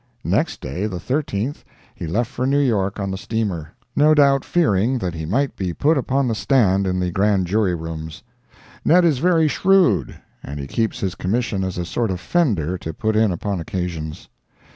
Next day, the 13th, he left for New York on the steamer, no doubt fearing that he might be put upon the stand in Grand Jury rooms. Ned is very shrewd, and he keeps his commission as a sort of fender to put in upon occasions.